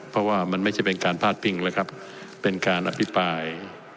เพราะว่ามันไม่ใช่เป็นการพาดพิงเลยครับเป็นการอภิปราย